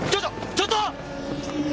ちょっと！！